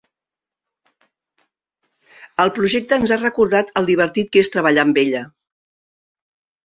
El projecte ens ha recordat el divertit que és treballar amb ella.